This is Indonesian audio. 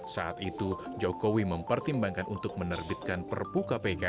saat itu jokowi mempertimbangkan untuk menerbitkan perpu kpk